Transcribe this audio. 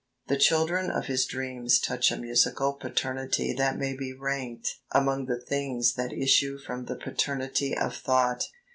The children of his dreams touch a musical paternity that may be ranked among the things that issue from the paternity of thought.